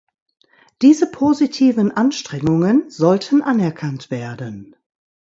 Diese positiven Anstrengungen sollten anerkannt werden.